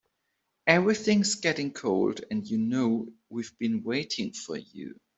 Everything's getting cold and you know we've been waiting for you.